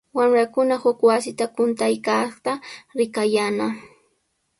Wamrakuna huk wasita quntaykaqta rikayaanaq.